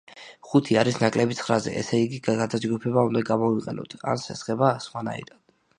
ხუთი არის ნაკლები ცხრაზე, ესე იგი, გადაჯგუფება უნდა გამოვიყენოთ, ან სესხება, სხვანაირად.